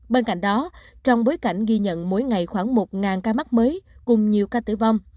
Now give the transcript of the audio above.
bên cạnh đó trong bối cảnh ghi nhận mỗi ngày khoảng một ca mắc mới cùng nhiều ca tử vong